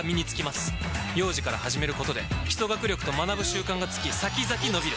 幼児から始めることで基礎学力と学ぶ習慣がつき先々のびる！